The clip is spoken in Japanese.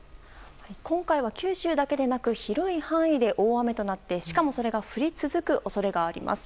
今回は九州だけでなく広い範囲で大雨となってしかも、それが降り続く恐れがあります。